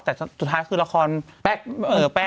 ตัวท้ายคือละครแป๊ะ